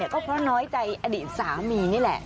ก็เพราะน้อยใจอดีตสามีนี่แหละ